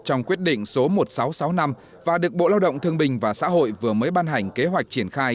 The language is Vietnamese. trong quyết định số một nghìn sáu trăm sáu mươi năm và được bộ lao động thương bình và xã hội vừa mới ban hành kế hoạch triển khai